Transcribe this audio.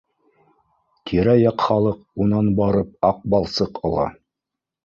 Тирә-яҡ халыҡ унан барып аҡбалсыҡ ала